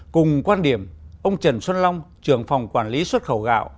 cùng quan điểm ông trần xuân long trưởng phòng quản lý xuất khẩu gạo